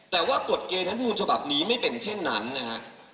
แต่ว่ากฎเกณฑ์รัฐมนูญฉบับนี้ไม่เป็นเช่นนั้นนะฮะ